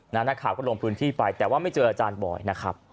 นักข่าวก็ลงพื้นที่ไปแต่ว่าไม่เจออาจารย์บอยนะครับ